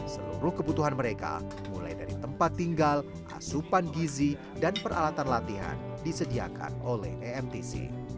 seluruh kebutuhan mereka mulai dari tempat tinggal asupan gizi dan peralatan latihan disediakan oleh emtc